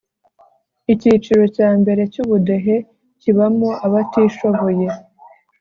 Icyiciro cyambere cyubudehe kibamo abatishoboye